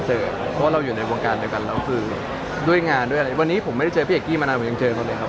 เพราะว่าเราอยู่ในกวงการอยู่กันแล้วก็คือเลื่อยงานด้วยแล้ววันนี้ผมไม่ได้เจอพี่เด็กปีมานานผมก็ยังเจอตัวเนียครับ